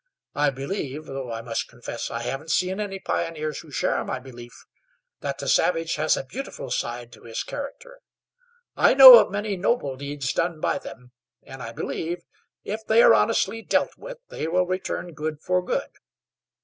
I believe though I must confess I haven't seen any pioneers who share my belief that the savage has a beautiful side to his character. I know of many noble deeds done by them, and I believe, if they are honestly dealt with, they will return good for good.